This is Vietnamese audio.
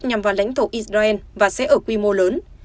nhằm vào lãnh thổ israel và sẽ ở quy mô lớn